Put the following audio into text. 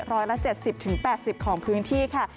ร้อยละ๗๐๘๐ของพื้นที่ค่ะ